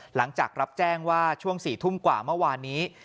หลังจากรับแจ้งว่าช่วง๔ทุ่มกว่าเมื่อวานนี้